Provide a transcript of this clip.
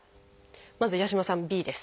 まず八嶋さんＢです。